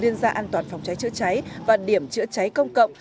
liên gia an toàn phòng cháy chữa cháy và điểm chữa cháy công cộng